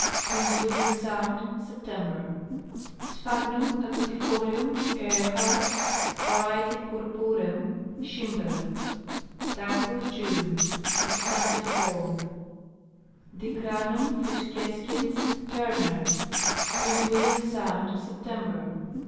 Prince William sound, September. Sphagnum acutifolium, Ehrh., \&r. purpnirem, Schimj). Taku,. June. A stunted form. Dicranum ficscescens, Turn. Prince William sound, September.